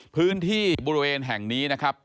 พื้นที่บริเวณแห่งนี้นะครับ